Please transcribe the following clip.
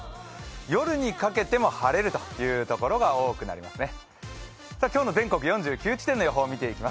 夜にかけても晴れるところが多くなりますね。